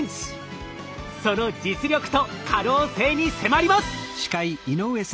その実力と可能性に迫ります！